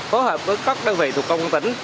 phối hợp với các đơn vị thuộc công an tỉnh